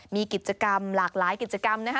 มีกิจกรรมหลากหลายกิจกรรมนะคะ